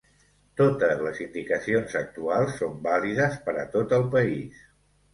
Totes les indicacions actuals són vàlides per a tot el país.